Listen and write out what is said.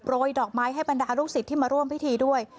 ดอกไม้ให้บรรดาลูกศิษย์ที่มาร่วมพิธีด้วย